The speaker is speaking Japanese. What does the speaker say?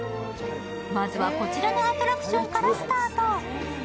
まずはこちらのアトラクションからスタート。